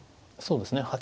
そうですね。